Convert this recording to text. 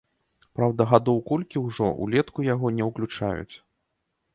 Праўда, гадоў колькі ўжо ўлетку яго не ўключаюць.